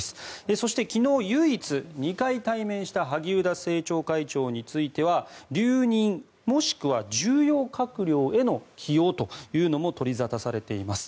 そして、昨日唯一２回対面した萩生田政調会長については留任もしくは重要閣僚への起用というのも取り沙汰されています。